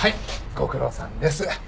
ご苦労さんです。